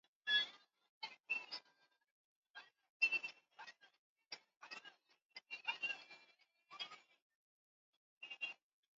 wananchi wale wanawake waliobakwa na makundi yenye kumiliki silaha huku mashariki ya nchi hiyo